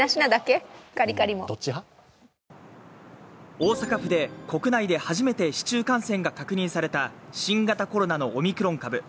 大阪府で国内で初めて市中感染が確認された新型コロナのオミクロン株。